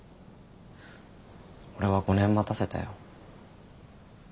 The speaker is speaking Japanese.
俺は５年待たせたよ。